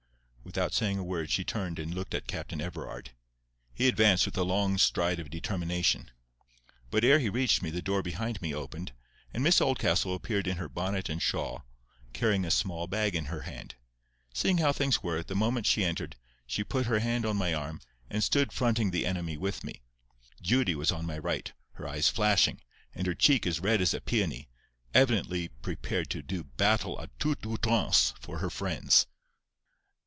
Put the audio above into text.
Without saying a word she turned and looked at Captain Everard. He advanced with a long stride of determination. But ere he reached me, the door behind me opened, and Miss Oldcastle appeared in her bonnet and shawl, carrying a small bag in her hand. Seeing how things were, the moment she entered, she put her hand on my arm, and stood fronting the enemy with me. Judy was on my right, her eyes flashing, and her cheek as red as a peony, evidently prepared to do battle a toute outrance for her friends.